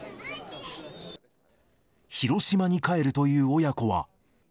広島に帰るという親子は。